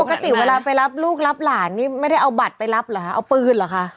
ปกติเวลาไปรับลูกรับหลานนี่ไม่ได้เอาบัตรไปรับเหรอคะเอาปืนเหรอคะ